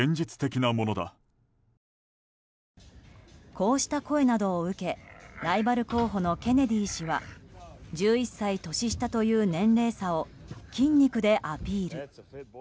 こうした声などを受けライバル候補のケネディ氏は１１歳年下という年齢差を筋肉でアピール。